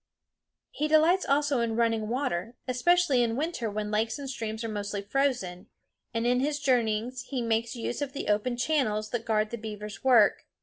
He delights also in running water, especially in winter when lakes and streams are mostly frozen, and in his journeyings he makes use of the open channels that guard the beavers' work.